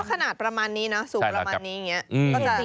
ขนาดประมาณนี้สูงประมาณนี้